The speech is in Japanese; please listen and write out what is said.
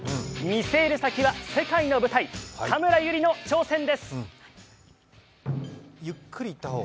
見据える先は世界の舞台、田村友里の挑戦です！